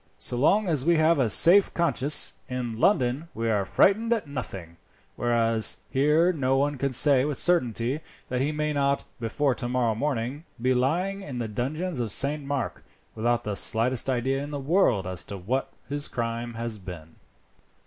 "So long as we have a safe conscience, in London we are frightened at nothing, whereas here no one can say with certainty that he may not, before tomorrow morning, be lying in the dungeons of St. Mark, without the slightest idea in the world as to what his crime has been."